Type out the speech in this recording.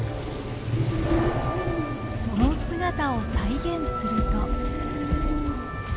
その姿を再現すると。